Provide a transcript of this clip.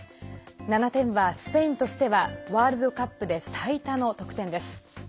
７点はスペインとしてはワールドカップで最多の得点です。